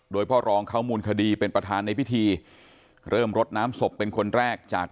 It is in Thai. โดยพ่อรองเข้ามูลคดีเป็นประธานในพิธีเริ่มรดน้ำศพเป็นคนแรกจาก